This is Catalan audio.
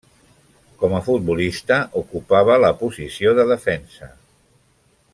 Com a futbolista ocupava la posició de defensa.